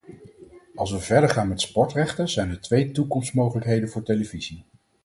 Als we verdergaan met sportrechten zijn er twee toekomstmogelijkheden voor televisie.